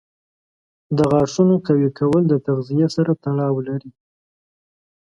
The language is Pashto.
د غاښونو قوي کول د تغذیې سره تړاو لري.